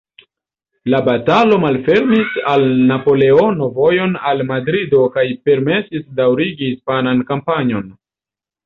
La batalo malfermis al Napoleono vojon al Madrido kaj permesis daŭrigi hispanan kampanjon.